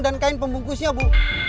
dan kain pembungkusnya bu